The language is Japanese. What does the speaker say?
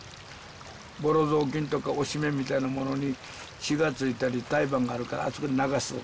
ぼろ雑巾とかおしめみたいなものに血がついたり胎盤があるからあそこに流すの。